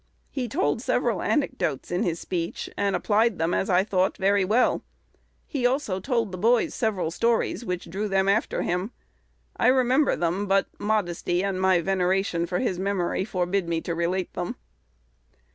He told several anecdotes in his speech, and applied them, as I thought, very well. He also told the boys several stories which drew them after him. I remember them; but modesty and my veneration for his memory forbid me to relate them."